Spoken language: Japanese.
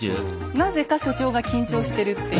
なぜか所長が緊張してるっていう。